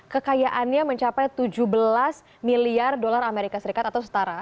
kekayaannya mencapai tujuh belas miliar dolar amerika serikat atau setara